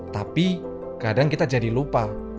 tapi kadang kita jadi lupa